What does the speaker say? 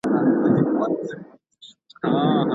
جعلي درمل څه زیان لري؟